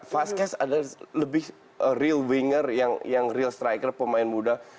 vaskes adalah lebih real winger yang real striker pemain muda